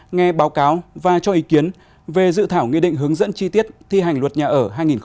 nghe báo cáo và cho ý kiến về dự thảo nghị định hướng dẫn chi tiết thi hành luật nhà ở hai nghìn một mươi chín